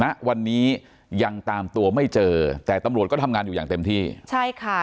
ณวันนี้ยังตามตัวไม่เจอแต่ตำรวจก็ทำงานอยู่อย่างเต็มที่ใช่ค่ะ